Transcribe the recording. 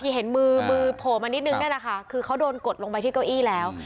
เห็นมือมือโผล่มานิดนึงเนี่ยนะคะคือเขาโดนกดลงไปที่เก้าอี้แล้ว